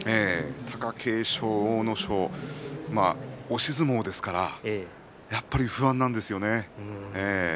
貴景勝、阿武咲押し相撲ですから、やっぱり不安なんですよね。